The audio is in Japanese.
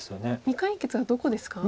未解決はどこですか？